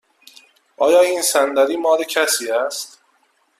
آیا این صندلی مال کسی است؟